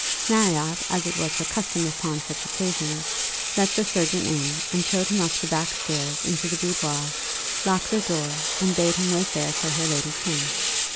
Marriott, as it was her custom upon such occasions, let the surgeon in, and showed him up the back stairs into the boudoir, locked the door, and bade him wait there till her lady came.